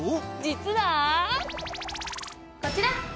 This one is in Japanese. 実はこちら！